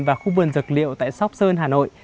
và khu vườn dược liệu tại sóc sơn hà nội